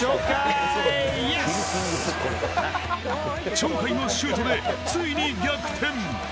鳥海のシュートでついに逆転。